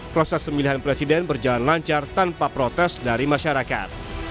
proses pemilihan presiden berjalan lancar tanpa protes dari masyarakat